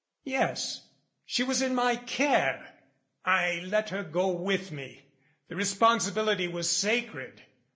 "Yes. She was in my care. I let her go with me. The responsibility was sacred.